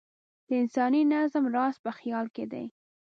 د انساني نظم راز په خیال کې دی.